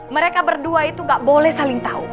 mereka berdua itu gak boleh saling tahu